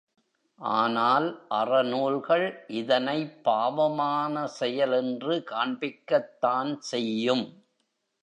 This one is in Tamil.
ஆனால் அறநூல்கள் இதனைப் பாவமான செயல் என்று காண்பிக்கத்தான் செய்யும்.